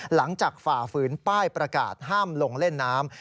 ฝ่าฝืนป้ายประกาศห้ามลงเล่นน้ำ